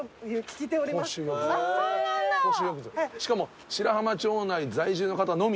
しかも白浜町内在住の方のみ。